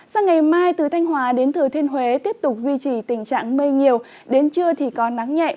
sang ngày mai từ thanh hòa đến thừa thiên huế tiếp tục duy trì tình trạng mây nhiều đến trưa thì có nắng nhẹ